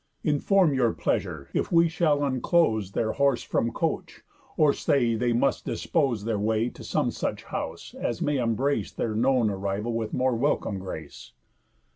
Inform your pleasure, if we shall unclose Their horse from coach, or say they must dispose Their way to some such house, as may embrace Their known arrival with more welcome grace?"